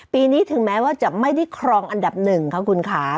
ปีนี้ถึงแม้ว่าจะไม่ได้ครองอันดับหนึ่งค่ะคุณค่ะ